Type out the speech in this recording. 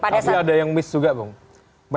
tapi ada yang miss juga bang